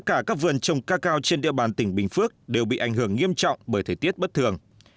các vườn ca cao trên địa bàn tỉnh bình phước đều bị ảnh hưởng nghiêm trọng bởi thời tiết bất thường